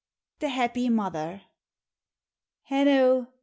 THE HAPPY MOTHER. An' O!